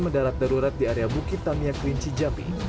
mendarat darurat di area bukit tamiya kerinci jambi